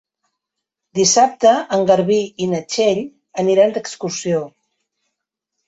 Dissabte en Garbí i na Txell aniran d'excursió.